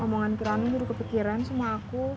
omongan kiram ini udah kepikiran semua aku